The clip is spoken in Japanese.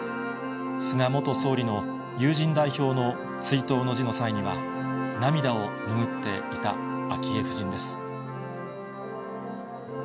菅元総理の友人代表の追悼の辞の際には、涙をぬぐっていた昭恵夫人です。